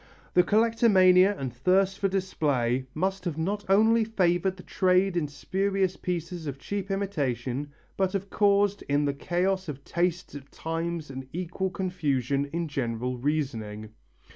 The collectomania and thirst for display must have not only favoured the trade in spurious pieces of cheap imitation but, have caused in the chaos of tastes at times an equal confusion in general reasoning.